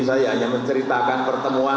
saya ingin menjaga kepentingan